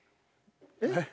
えっ？